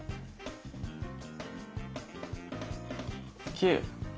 ９！